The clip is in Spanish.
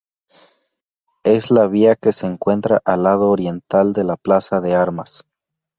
Es la vía que se encuentra al lado oriental de la Plaza de Armas.